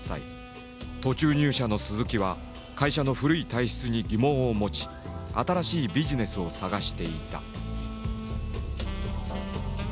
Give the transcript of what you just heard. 途中入社の鈴木は会社の古い体質に疑問を持ち新しいビジネスを探していた。